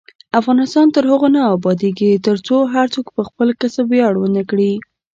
افغانستان تر هغو نه ابادیږي، ترڅو هر څوک په خپل کسب ویاړ ونه کړي.